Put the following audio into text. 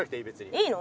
いいの？